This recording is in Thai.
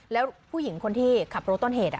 แล้วผู้หญิงคนที่ขับรถต้นเหตุ